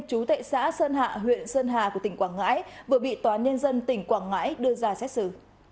chú tệ xã sơn hạ huyện sơn hà của tỉnh quảng ngãi vừa bị tòa nhân dân tỉnh quảng ngãi đưa ra xét xử